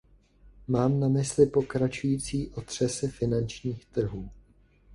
Mám na mysli pokračující otřesy finančních trhů.